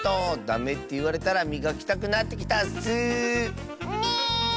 ダメっていわれたらみがきたくなってきたッス。ね。